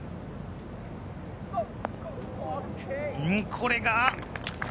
これが。